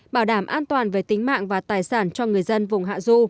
bảo đảm an toàn về tính mạng và tài sản cho người dân